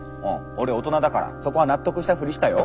俺大人だからそこは納得したフリしたよ。